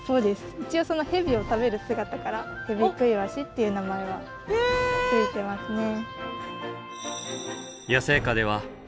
一応そのヘビを食べる姿からヘビクイワシっていう名前は付いてますね。